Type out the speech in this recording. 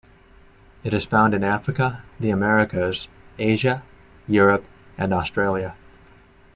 It is found in Africa, the Americas, Asia, Europe and Australia.